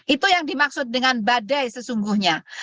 itu yang dimaksud dengan badai sesungguhnya